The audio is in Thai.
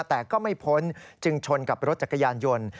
แต่ก็ไม่พ้นจึงชนกับรถจักรยานยนต์